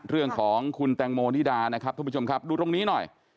เรื่องของคุณแตงโมนิดานะครับทุกผู้ชมครับดูตรงนี้หน่อย